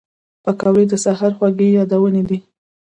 پکورې د سهر خوږې یادونې دي